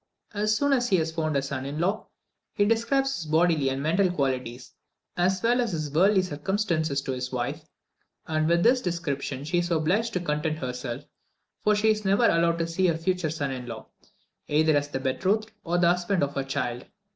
As soon as he has found a son in law, he describes his bodily and mental qualities as well as his worldly circumstances to his wife, and with this description she is obliged to content herself, for she is never allowed to see her future son in law, either as the betrothed, or the husband of her child.